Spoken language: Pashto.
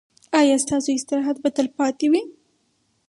ایا ستاسو استراحت به تلپاتې وي؟